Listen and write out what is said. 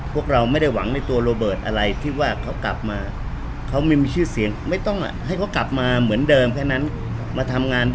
พวกเราไม่ได้หวังในตัวโลเบิร์ตอะไรที่ว่าเขากลับมาเขาไม่มีชื่อเสียง